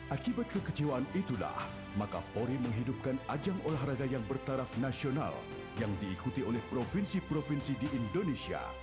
akibat kekecewaan itulah maka polri menghidupkan ajang olahraga yang bertaraf nasional yang diikuti oleh provinsi provinsi di indonesia